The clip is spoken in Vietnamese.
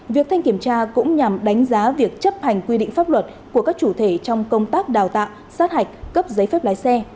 việc thanh kiểm tra cũng nhằm đánh giá việc chấp hành quy định pháp luật của các chủ thể trong công tác đào tạo sát hạch cấp giấy phép lái xe